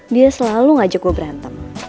dia selalu ngajak gue berantem